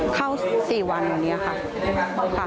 เข้าสี่วันนี้ค่ะ